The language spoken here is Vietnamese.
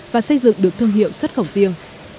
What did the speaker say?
và xây dựng được thương hiệu xuất khẩu riêng